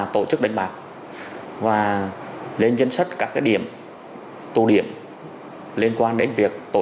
tổ chức đánh bạc và lên danh sách các cái điểm tù điểm liên quan đến việc đánh bạc đánh bạc